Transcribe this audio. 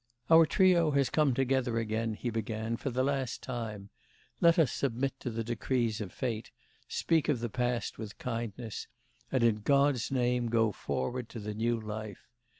'Our trio has come together again,' he began, 'for the last time. Let us submit to the decrees of fate; speak of the past with kindness; and in God's name go forward to the new life!